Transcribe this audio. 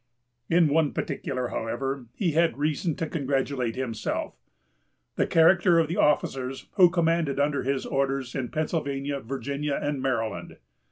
In one particular, however, he had reason to congratulate himself,——the character of the officers who commanded under his orders in Pennsylvania, Virginia, and Maryland.